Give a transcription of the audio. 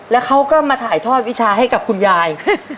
แล้วเขาก็มาถ่ายทอดวิชาให้กับคุณยาย